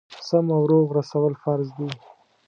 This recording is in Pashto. سم او روغ رسول فرض دي.